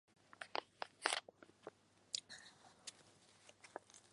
特拉普是法国法兰西岛大区伊夫林省的城市。